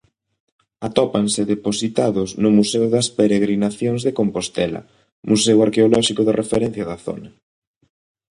Atópanse depositados no Museo das Peregrinacións de Compostela, museo arqueolóxico de referencia da zona.